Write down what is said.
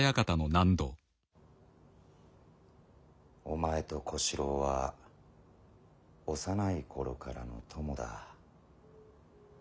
お前と小四郎は幼い頃からの友だ。